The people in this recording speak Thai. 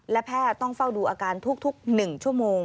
และแพทย์ต้องเฝ้าดูอาการทุก๑ชั่วโมง